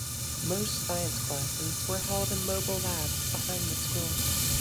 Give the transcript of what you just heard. Most science classes were held in mobile labs behind the school.